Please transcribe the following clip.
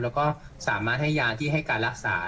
แล้วก็สามารถให้ยาที่ให้การรักษา